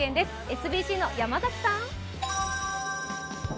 ＳＢＣの山崎さん。